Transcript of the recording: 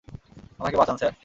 আমাকে বাঁচান, স্যার।